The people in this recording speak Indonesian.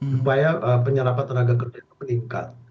supaya penyerapan tenaga kerja itu meningkat